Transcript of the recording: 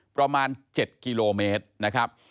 ประมาณ๗กิโลเมตรนะครับ